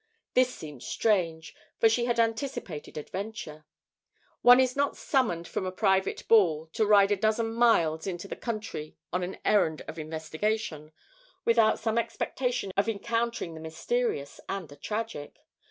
This seemed strange, for she had anticipated adventure. One is not summoned from a private ball to ride a dozen miles into the country on an errand of investigation, without some expectation of encountering the mysterious and the tragic.